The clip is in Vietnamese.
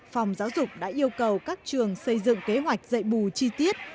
phòng giáo dục đã yêu cầu các trường xây dựng kế hoạch dạy bù chi tiết